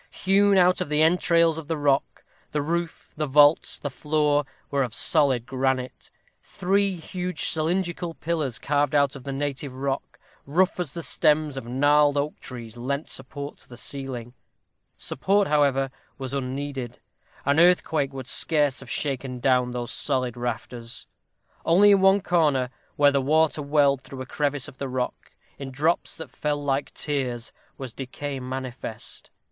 Hewn out of the entrails of the rock, the roof, the vaults, the floor, were of solid granite. Three huge cylindrical pillars, carved out of the native rock, rough as the stems of gnarled oak trees, lent support to the ceiling. Support, however, was unneeded; an earthquake would scarce have shaken down those solid rafters. Only in one corner, where the water welled through a crevice of the rock, in drops that fell like tears, was decay manifest.